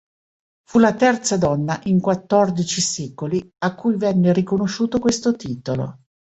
Fu la terza donna in quattordici secoli a cui venne riconosciuto questo titolo.